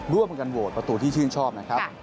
ร่วมกันโหวตประตูที่ชื่นชอบนะครับ